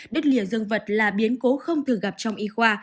đứt lìa dương vật là biến cố không thường gặp trong y khoa